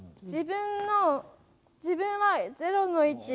自分は０の位置。